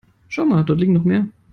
Schau mal, dort liegen noch mehr.